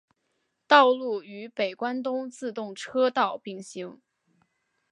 道路与北关东自动车道并行。